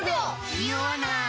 ニオわない！